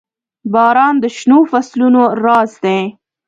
• باران د شنو فصلونو راز دی.